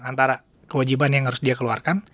antara kewajiban yang harus dia keluarkan